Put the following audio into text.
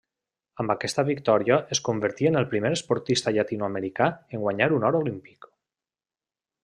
Amb aquesta victòria es convertí en el primer esportista llatinoamericà en guanyar un or olímpic.